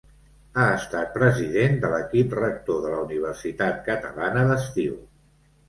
Ha estat president de l'Equip Rector de la Universitat Catalana d'Estiu.